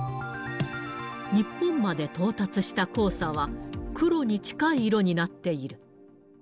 日本まで到達した黄砂は、黒に近い色になっている。